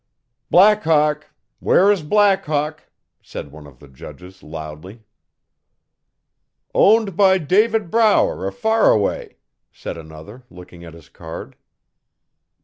'Black Hawk! Where is Black Hawk?' said one of the judges loudly. 'Owned by David Brower o' Faraway,' said another looking at his card.